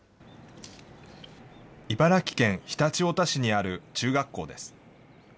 茨城県常陸太田市にある中学校です。